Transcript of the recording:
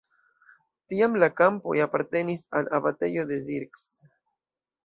Tiam la kampoj apartenis al abatejo de Zirc.